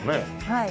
はい。